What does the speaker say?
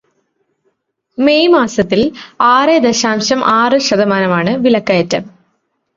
May മാസത്തിൽ ആറ് ദശാംശം ആറ് ശതമാനമാണ് വിലക്കയറ്റം.